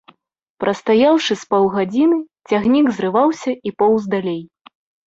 Прастаяўшы з паўгадзіны, цягнік зрываўся і поўз далей.